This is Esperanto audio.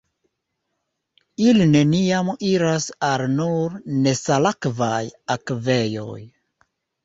Ili neniam iras al nur nesalakvaj akvejoj.